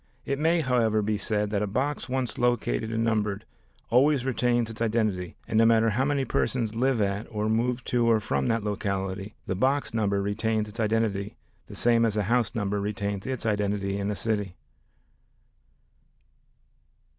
It may, however, be said that a box once located and numbered always retains its identity and no matter how many persons live at, or move to or from that locality, the box number retains its identity the same as a house retains its identity in a city.